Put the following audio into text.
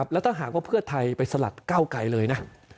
แล้วถ้าหากว่าเพื่อไทยไปสลัดเก้าไกลเลยนะ